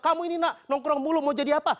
kamu ini nak nongkrong mulu mau jadi apa